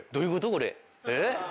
これえっ？